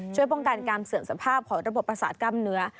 ช่วยป้องกันการเสื่อมสภาพของระบบประสาทกล้ามเนื้อ